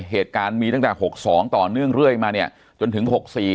เหตุการณ์มีตั้งแต่๖๒ต่อเนื่องเรื่อยมาเนี่ยจนถึง๖๔